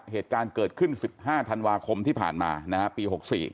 เหตุการณ์เกิดขึ้น๑๕ธันวาคมที่ผ่านมาปี๖๔